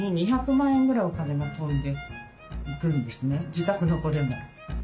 自宅の子でも。